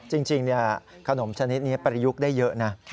จริงขนมชนิดนี้ประยุกต์ได้เยอะนะ